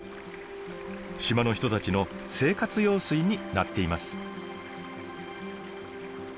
島の人たちの生活用水になっています。